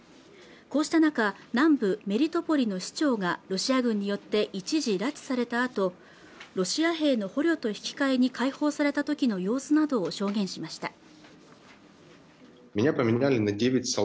こうした中南部メリトポリの市長がロシア軍によって一時拉致されたあとロシア兵の捕虜と引き換えに解放されたときの様子などを証言しました